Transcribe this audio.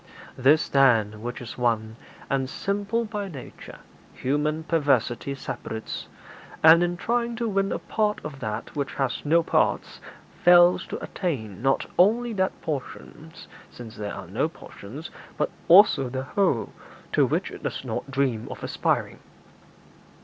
'This, then, which is one, and simple by nature, human perversity separates, and, in trying to win a part of that which has no parts, fails to attain not only that portion (since there are no portions), but also the whole, to which it does not dream of aspiring.'